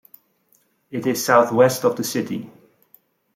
It is southwest of the city.